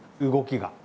動きが。